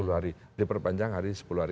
sepuluh hari diperpanjang hari sepuluh hari